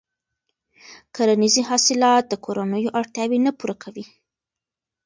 کرنیزې حاصلات د کورنیو اړتیاوې نه پوره کوي.